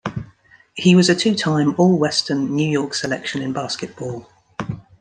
He was a two-time all-Western New York selection in basketball.